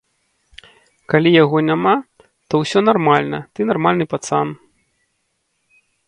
Калі яго няма, то ўсё нармальна, ты нармальны пацан.